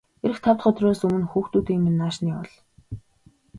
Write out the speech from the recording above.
Ирэх тав дахь өдрөөс өмнө хүүхдүүдийг минь нааш нь явуул.